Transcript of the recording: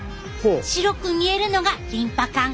白く見えるのがリンパ管！